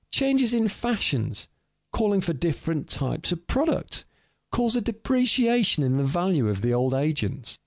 Changes in fashions, calling for different kinds of products, cause a depreciation in the value of the old agents.